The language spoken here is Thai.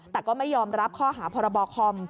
แต่ก็ไม่ยอมรับข้อหาพรบคอม